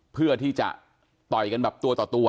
เพื่อที่จะต่อยกันแบบตัวต่อตัว